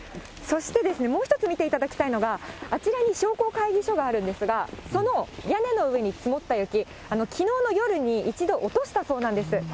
そして、もう一つ見ていただきたいのが、あちらに商工会議所があるんですが、その屋根の上に積もった雪、きのうの夜に一度、落としたそうなんです。